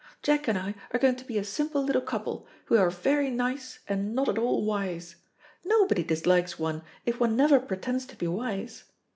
Jack and I are going to be a simple little couple, who are very nice and not at all wise. Nobody dislikes one if one never pretends to be wise.